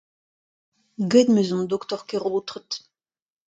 Gwelet em eus an doktor Keraotred.